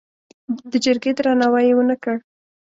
د جرګې درناوی یې ونه کړ.